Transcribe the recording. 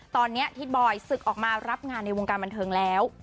ตอนนี้ทิศบอยศึกออกมารับงานในวงการบันเทิงแล้ว